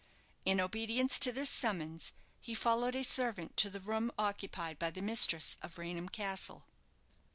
In obedience to this summons, he followed a servant to the room occupied by the mistress of Raynham Castle.